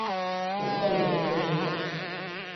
Һуҡыр юҡты уҡыр.